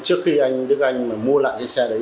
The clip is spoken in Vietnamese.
trước khi anh đức anh mua lại chiếc xe đấy